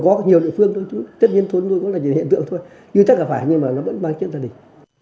có nhiều địa phương chất nhân thôn thôi đó là hiện tượng thôi như tất cả phải nhưng mà nó vẫn băng chất ra đỉnh